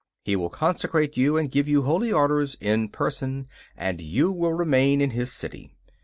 He will consecrate you and give you holy orders in person, and you will remain in his city.